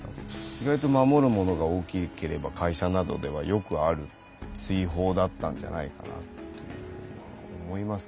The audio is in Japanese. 意外と守るものが大きければ会社などではよくある追放だったんじゃないかなというようには思いますけどね。